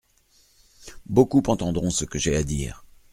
Beaucoup entendront ce que j’ai à dire.